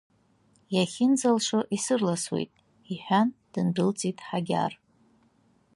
Иахьынӡалшо исырласуеит, — иҳәан, дындәылҵит Ҳагьар.